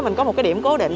mình có một cái điểm cố định